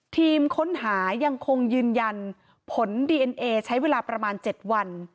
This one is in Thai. ทีมค้นหายังคงยืนยันผลดีเอ็นเอใช้เวลาประมาณ๗วัน